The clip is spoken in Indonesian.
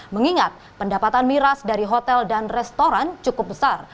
mengingat pendapatan miras dari hotel dan restoran cukup besar